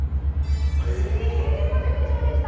Ｃ、９０％以上でした。